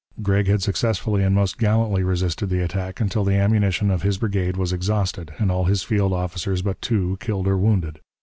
Gregg had successfully and most gallantly resisted the attack until the ammunition of his brigade was exhausted and all his field officers but two killed or wounded.